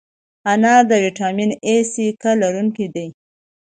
انار د ویټامین A، C، K لرونکی دی.